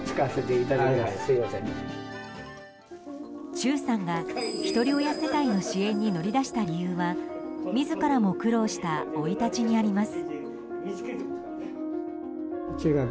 忠さんがひとり親世帯の支援に乗り出した理由は自らも苦労した生い立ちにあります。